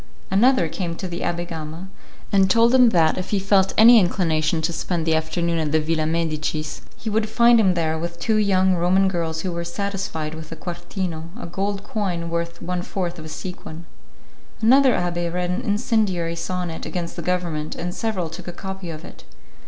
Another came to the Abbé Gama, and told him that, if he felt any inclination to spend the afternoon at the Villa Medicis, he would find him there with two young Roman girls who were satisfied with a 'quartino', a gold coin worth one fourth of a sequin. Another abbé read an incendiary sonnet against the government, and several took a copy of it.